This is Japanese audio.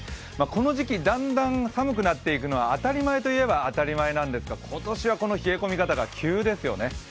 この時期だんだん寒くなっていくのは当たり前といえば当たり前なんですが今年はこの冷え込み方が急ですよね。